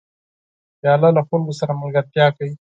پیاله له خلکو سره ملګرتیا کوي.